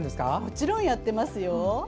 もちろんやっています。